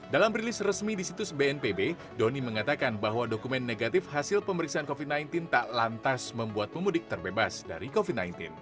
dalam rilis resmi di situs bnpb doni mengatakan bahwa dokumen negatif hasil pemeriksaan covid sembilan belas tak lantas membuat pemudik terbebas dari covid sembilan belas